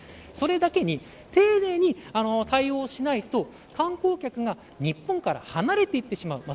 それだけに丁寧に対応しないと観光客が日本から離れていってしまう。